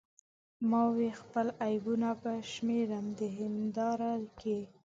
ما وې خپل عیبونه به شمیرم د هنداره کې